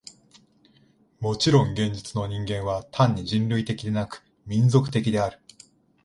もちろん現実の人間は単に人類的でなく、民族的である。